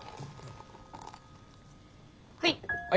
はい。